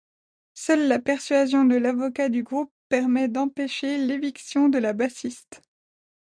Seule la persuasion de l’avocat du groupe permet d’empêcher l’éviction de la bassiste.